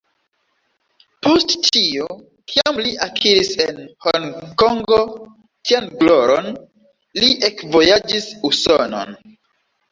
Post tio, kiam li akiris en Honkongo tian gloron, li ekvojaĝis Usonon.